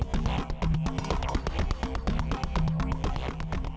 seperti biasa duitnya ditransfer sama bos